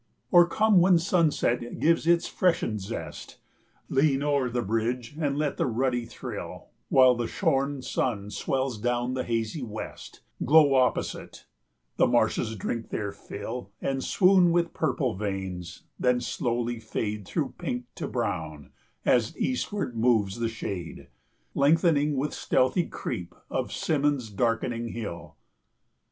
Or come when sunset gives its freshened zest, Lean o'er the bridge and let the ruddy thrill, While the shorn sun swells down the hazy west, Glow opposite; the marshes drink their fill And swoon with purple veins, then slowly fade 145 Through pink to brown, as eastward moves the shade, Lengthening with stealthy creep, of Simond's darkening hill.